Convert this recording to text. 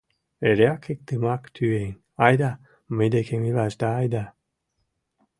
Эреак иктымак тӱен: «Айда мый декем илаш да айда!»